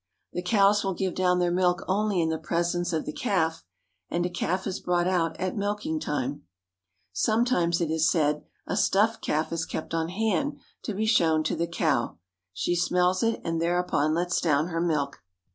The cows will give down their milk only in the pres ence of the calf, and a calf is brought out at milking time. ^ I Sometimes, it is said, a stuffed calf is kept on hand to be I tshown to the cow. She smells it and thereupon lets down 1 her milk.